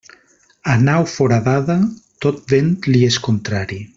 A nau foradada, tot vent li és contrari.